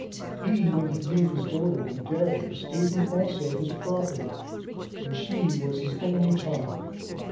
He, when he gave his daughter to Darius, gave him also all his property, as she was his only child.